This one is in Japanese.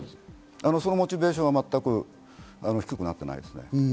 そのモチベーションは全く低くなっていないですね。